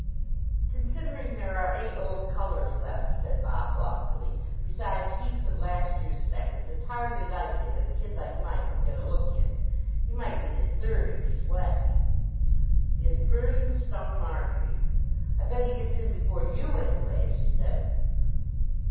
"Considering there are eight old colours left," said Bob loftily, "besides heaps of last year's seconds, it's hardly likely that a kid like Mike'll get a look in. He might get his third, if he sweats." The aspersion stung Marjory. "I bet he gets in before you, anyway," she said.